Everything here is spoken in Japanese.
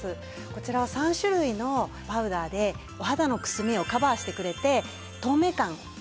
こちらは３種類のパウダーでお肌のくすみをカバーしてくれて透明感出してくれます。